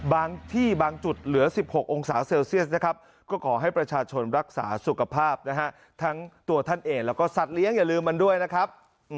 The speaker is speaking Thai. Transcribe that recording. บางที่บางจุดควรเหลือ๑๖องศาเซลเซียสนะครับ